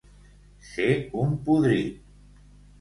Ser un podrit.